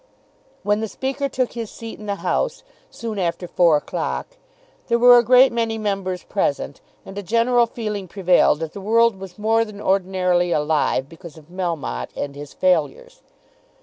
When the Speaker took his seat in the House, soon after four o'clock, there were a great many members present, and a general feeling prevailed that the world was more than ordinarily alive because of Melmotte and his failures.